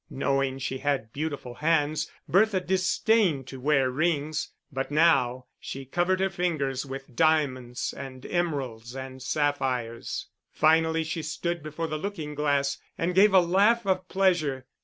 Knowing she had beautiful hands, Bertha disdained to wear rings, but now she covered her fingers with diamonds and emeralds and sapphires. Finally she stood before the looking glass, and gave a laugh of pleasure.